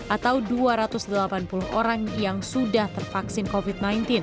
atau dua ratus delapan puluh orang yang sudah tervaksin covid sembilan belas